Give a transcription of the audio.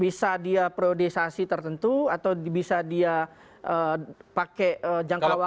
bisa dia priorisasi tertentu atau bisa dia pakai jangka waktu